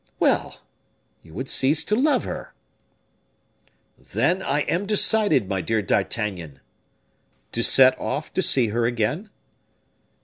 "Well! you would cease to love her." "Then I am decided, my dear D'Artagnan." "To set off to see her again?"